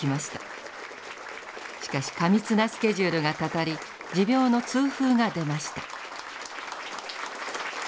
しかし過密なスケジュールがたたり持病の痛風が出ました。